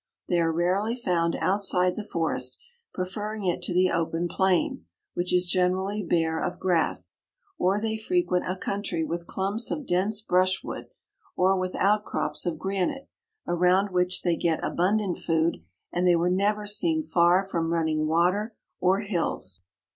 They are rarely found outside the forest, preferring it to the open plain, which is generally bare of grass; or they frequent a country with clumps of dense brushwood, or with outcrops of granite, around which they get abundant food, and they were never seen far from running water or hills."